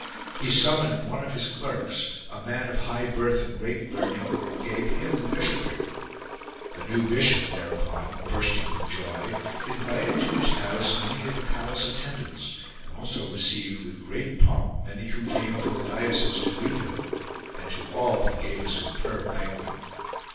He summoned one of his clerks, a man of high birth and great learning, and gave him the bishopric. The new bishop, thereupon, bursting with joy, invited to his house many of the palace attendants, and also received with great pomp many who came from the diocese to greet him : and to all he gave a superb banquet.